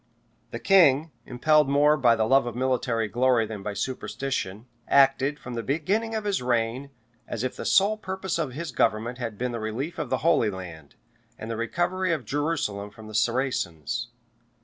The king, impelled more by the love of military glory than by superstition, acted, from the beginning of his reign, as if the sole purpose of his government had been the relief of the Holy Land, and the recovery of Jerusalem from the Saracens.